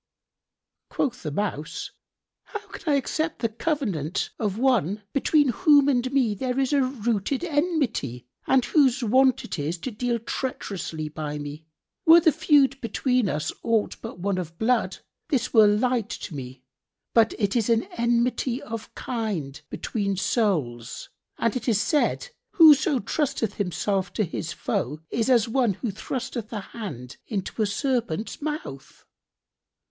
Quoth the Mouse, "How can I accept the covenant of one between whom and me there is a rooted enmity, and whose wont it is to deal treacherously by me? Were the feud between us aught but one of blood, this were light to me; but it is an enmity of kind between souls, and it is said, 'Whoso trusteth himself to his foe is as one who thrusteth hand into a serpent's[FN#62] mouth.'"